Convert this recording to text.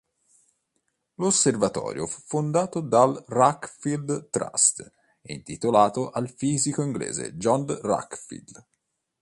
L'osservatorio fu fondato dal Radcliffe Trust e intitolato al fisico inglese John Radcliffe.